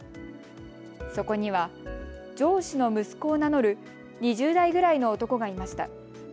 そこには上司の息子を名乗る２０代ぐらいの男がいました。